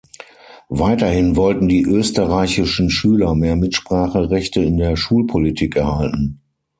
Weiterhin wollten die österreichischen Schüler mehr Mitspracherechte in der Schulpolitik erhalten.